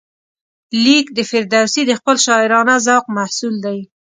لیک د فردوسي د خپل شاعرانه ذوق محصول دی.